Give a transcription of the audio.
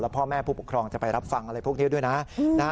พ่อแม่ผู้ปกครองจะไปรับฟังอะไรพวกนี้ด้วยนะ